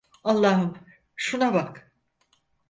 Allahım, şuna bak.